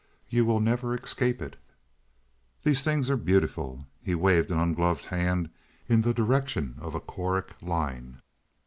You will never escape it. These things are beautiful." He waved an ungloved hand in the direction of a choric line.